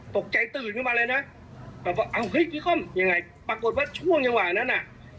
ตกใจตื่นขึ้นมาเลยนะพี่ค่อมยังไงปรากฏว่าช่วงจังหวะนั้น